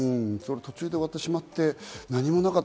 途中で終わってしまって何もなかった、